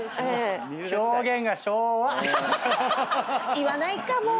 言わないかもう。